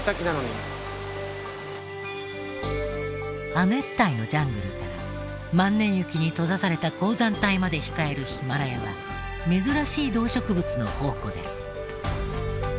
亜熱帯のジャングルから万年雪に閉ざされた高山帯まで控えるヒマラヤは珍しい動植物の宝庫です。